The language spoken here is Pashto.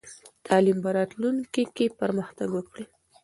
تعلیم به راتلونکې کې پرمختګ وکړي.